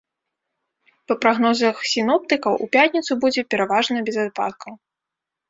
Па прагнозах сіноптыкаў, у пятніцу будзе пераважна без ападкаў.